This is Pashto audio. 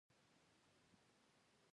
دا د موریانو د واکمنۍ نښه ده